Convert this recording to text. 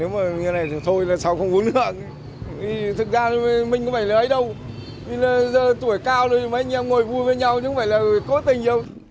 mình cũng phải lấy đâu tuổi cao thôi mấy anh em ngồi vui với nhau chứ không phải là cố tình đâu